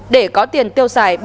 để có tiền tiêu xài